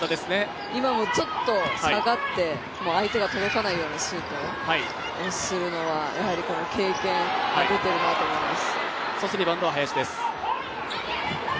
今もちょっと下がって相手が届かないようなシュートをするのは、やはり経験が出ているなと思います。